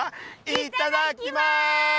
いただきます！